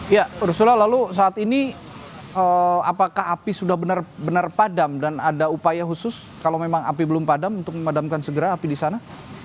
ya rusla lalu saat ini apakah api sudah benar benar padam dan ada upaya khusus kalau memang api belum padam untuk memadamkan segera api di sana